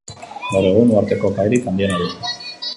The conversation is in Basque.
Gaur egun uharteko kairik handiena du.